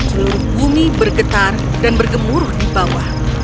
seluruh bumi bergetar dan bergemuruh di bawah